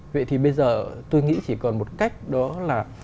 vậy thì bây giờ tôi nghĩ chỉ còn một cách đó là